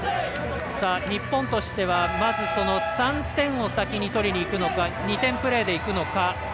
日本としてはまず３点を先に取りにいくのか２点プレーでいくのか。